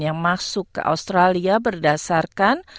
yang masuk ke australia berdasarkan